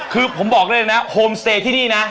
คือผมบอกด้วยนะโฮมสเตย์ที่นี่นะ